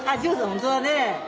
本当だね。